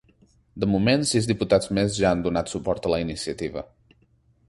De moment, sis diputats més ja han donat suport a la iniciativa.